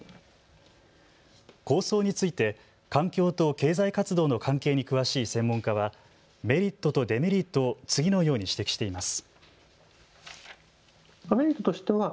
構想について環境と経済活動の関係に詳しい専門家はメリットとデメリットを次のように指摘しています。